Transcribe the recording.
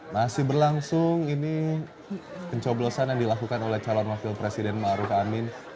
masih berlangsung ini pencoblosan yang dilakukan oleh calon wakil presiden maruka amin